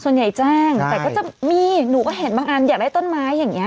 ส่วนใหญ่แจ้งแต่ก็จะมีหนูก็เห็นบางอันอยากได้ต้นไม้อย่างนี้